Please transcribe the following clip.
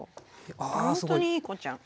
ほんとにいい子ちゃん。